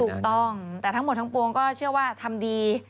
ถูกต้องแต่ทั้งหมดทั้งปวงก็เชื่อว่าทำดี